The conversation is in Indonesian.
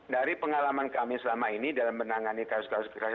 dari pengalaman kami selama ini dalam menangani kasus kasus kekerasan